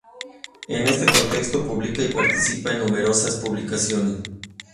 En este contexto publica y participa en numerosas publicaciones.